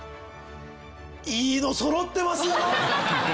いいのそろってますよ！